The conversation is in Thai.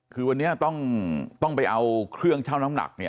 คือวันนี้ต้องไปเอาเครื่องเช่าน้ำหนัก